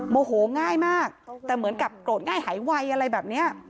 โมโหง่ายมากแต่เหมือนกับโกรธง่ายหายไวอะไรแบบนี้